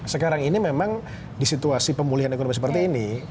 sekarang ini memang di situasi pemulihan ekonomi seperti ini